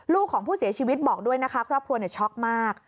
ของผู้เสียชีวิตบอกด้วยนะคะครอบครัวช็อกมาก